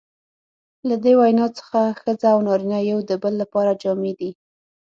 له دې وینا څخه ښځه او نارینه یو د بل لپاره جامې دي.